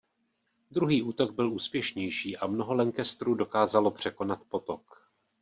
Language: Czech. Druhý útok byl úspěšnější a mnoho Lancasterů dokázalo překonat potok.